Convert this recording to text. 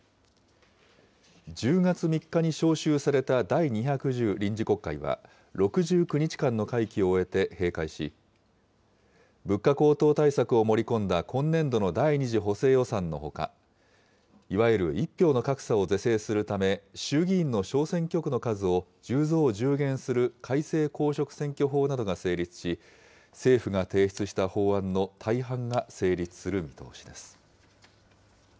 １０月３日に召集された第２１０臨時国会は、６９日間の会期を終えて閉会し、物価高騰対策を盛り込んだ今年度の第２次補正予算のほか、いわゆる１票の格差を是正するため、衆議院の小選挙区の数を１０増１０減する改正公職選挙法などが成立し、政府が提出した法案の大半が成立する見通しです。